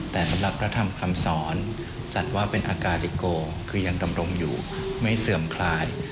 แต่สำหรับพระธรรมคำสอนจัดว่าเป็นอากาติโกคือยังดำรงอยู่ไม่เสื่อมคลาย